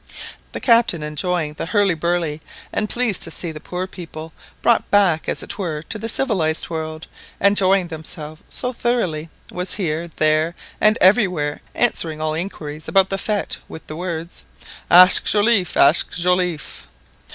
The captain enjoying the hurly burly, and pleased to see the poor people, brought back as it were to the civilised world, enjoying themselves so thoroughly, was here, there, and everywhere, answering all inquiries about the fête with the words "Ask Joliffe, ask Joliffe